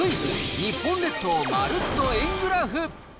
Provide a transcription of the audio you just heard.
日本列島まるっと円グラフ。